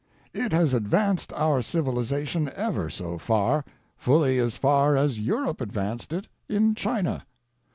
It has ad vanced our Civilization ever so far — fully as far as Europe ad vanced it in China.